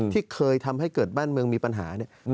ที่เคยทำให้เกิดบ้านเมืองมีปัญหาเนี่ย